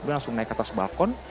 dia langsung naik ke atas balkon